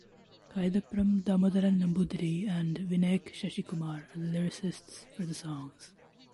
Kaithapram Damodaran Namboothiri and Vinayak Sasikumar are the lyricists for the songs.